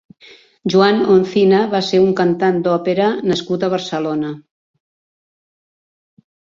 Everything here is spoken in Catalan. Joan Oncina va ser un cantant d'òpera nascut a Barcelona.